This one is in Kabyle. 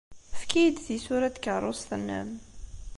Efk-iyi-d tisura n tkeṛṛust-nnem.